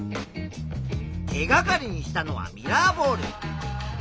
手がかりにしたのはミラーボール。